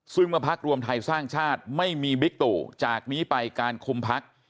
ซึ่งเมื่อพักรวมไทยสร้างชาติไม่มีบิ๊กตู่จากนี้ไปการคุมพัก